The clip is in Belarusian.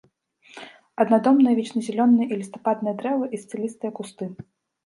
Аднадомныя вечназялёныя і лістападныя дрэвы і сцелістыя кусты.